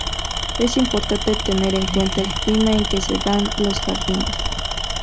Es importante tener en cuenta el clima en que se dan los jardines.